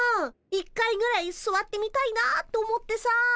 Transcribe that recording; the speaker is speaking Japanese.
一回ぐらいすわってみたいなと思ってさ。